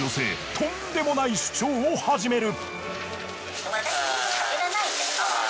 とんでもない主張を始める。